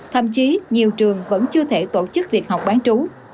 thậm chí nhiều trường vẫn chưa thể tổ chức việc học bán trú